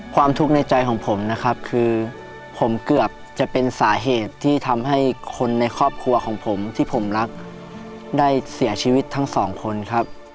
ความทุกข์ในใจของผมนะครับคือผมเกือบจะเป็นสาเหตุที่ทำให้คนในครอบครัวของผมที่ผมรักได้เสียชีวิตทั้งสองคนครับ